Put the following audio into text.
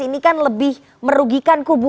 ini kan lebih merugikan kubu